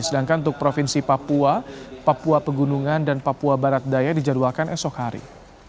sedangkan untuk provinsi papua papua pegunungan dan papua barat daya dijadwalkan esok hari